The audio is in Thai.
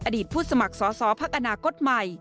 อดีตผู้สมัครสอบภักดิ์อนาคตใหม่